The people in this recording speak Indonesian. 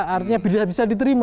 artinya bisa diterima